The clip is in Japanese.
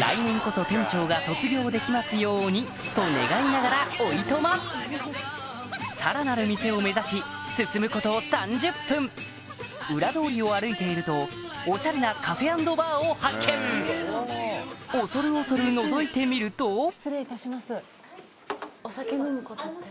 来年こそ店長が卒業できますようにと願いながらおいとまさらなる店を目指し進むこと３０分裏通りを歩いているとおしゃれなカフェ＆バーを発見恐る恐るのぞいてみると失礼いたしますお酒飲むことって。